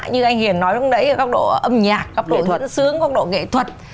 như anh hiền nói lúc nãy là cấp độ âm nhạc cấp độ nhẫn xướng cấp độ nghệ thuật